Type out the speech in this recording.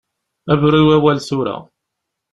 Bru i wawal tura.